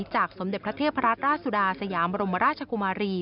จากสมเด็จประเทศพระราชราชสุดาสยามรมราชกุมารี